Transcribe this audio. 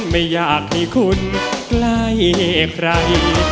ไม่อยากให้คุณใกล้ใคร